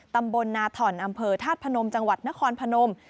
ตำบลนาถ่อนอำเภอธาตุพนมจังหวัดนครพนม